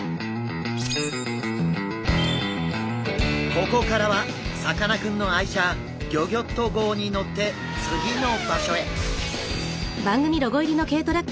ここからはさかなクンの愛車ギョギョッと号に乗って次の場所へ。